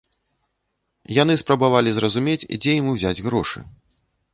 Яны спрабавалі зразумець, дзе ім узяць грошы.